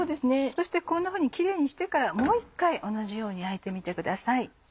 そしてこんなふうにキレイにしてからもう一回同じように焼いてみてください。